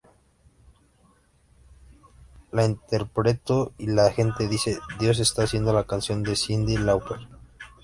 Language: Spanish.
La interpretó y la gente dice 'Dios, está haciendo la canción de Cyndi Lauper'"".